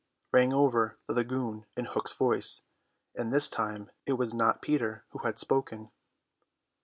rang over the lagoon in Hook's voice, and this time it was not Peter who had spoken.